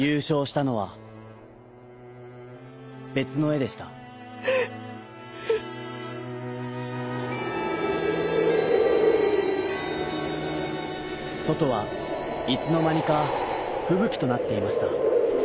そとはいつのまにかふぶきとなっていました。